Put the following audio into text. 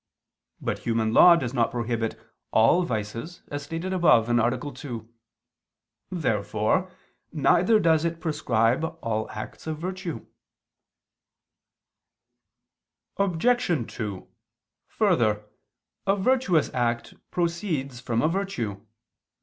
But human law does not prohibit all vices, as stated above (A. 2). Therefore neither does it prescribe all acts of virtue. Obj. 2: Further, a virtuous act proceeds from a virtue.